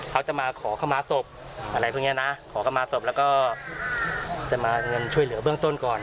เขาจะมาขอเข้ามาศพแล้วก็จะมาเลือกเงินช่วยเปิ้ลมาต้นก่อน